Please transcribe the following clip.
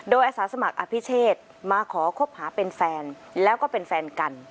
โดยอาสาสมัครอภิเชษมาขอคบหาเป็นแฟนแล้วก็เป็นแฟนกัน